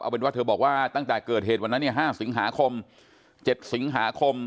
เป็นว่าเธอบอกว่าตั้งแต่เกิดเหตุวันนั้นเนี่ย๕สิงหาคม๗สิงหาคม